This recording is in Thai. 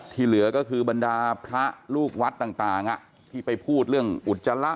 เหลือก็คือบรรดาพระลูกวัดต่างที่ไปพูดเรื่องอุจจาระ